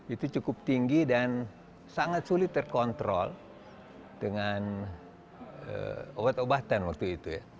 itu cukup tinggi dan sangat sulit terkontrol dengan obat obatan waktu itu ya